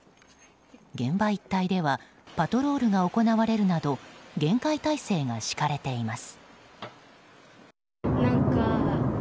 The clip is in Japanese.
現場一帯ではパトロールが行われるなど限界態勢が敷かれています。